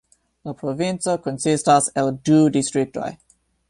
La provinco konsistas el du distriktoj.